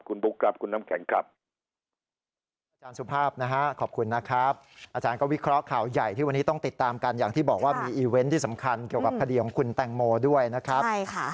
คุณบุ๊คครับคุณน้ำแข็งครับ